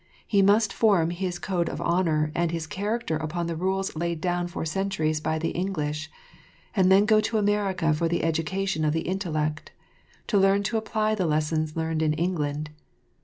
He must form his code of honour and his character upon the rules laid down for centuries by the English, and then go to America for the education of the intellect, to learn to apply the lessons learned in England.